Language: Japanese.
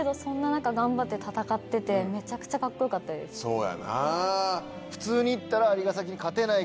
そうやな。